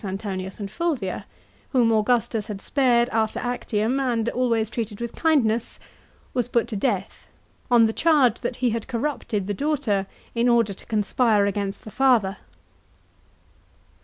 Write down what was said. Antonius and Fulvia), whom Augustus had spared after Actium and always treated with kindness, was put to death, on the charge that he had corrupted the daughter in order to conspire against the father.